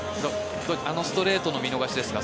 あのストレートの見逃しですか？